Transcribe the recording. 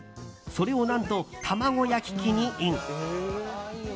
それを何と卵焼き器にイン。